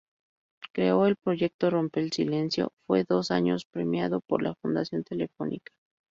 Creó el Proyecto Rompe el Silencio, fue dos años premiado por la Fundación Telefónica.